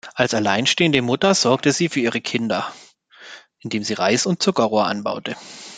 Als alleinstehende Mutter sorgte sie für ihre Kinder, indem sie Reis und Zuckerrohr anbaute.